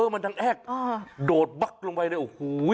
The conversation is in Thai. มันตำแอบโดดบัคลงไปได้อุ้ย